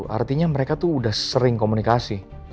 artinya mereka tuh udah sering komunikasi